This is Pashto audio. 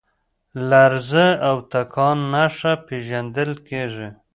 لرزه او تکان نښه پېژندل کېږي.